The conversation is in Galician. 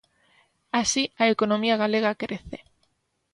Así, a economía galega crece.